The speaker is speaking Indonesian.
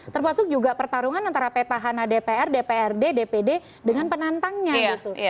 termasuk juga pertarungan antara petahana dpr dprd dpd dengan penantangnya gitu